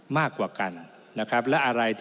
มากกว่ากันนะครับ